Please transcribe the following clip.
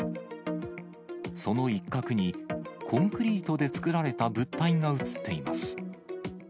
その一角にコンクリートで作られた物体が写っています。